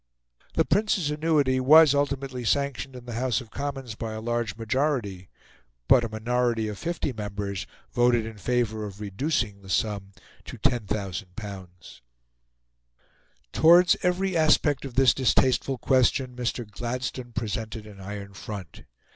The Prince's annuity was ultimately sanctioned in the House of Commons by a large majority; but a minority of fifty members voted in favour of reducing the sum to L10,000. Towards every aspect of this distasteful question, Mr. Gladstone presented an iron front.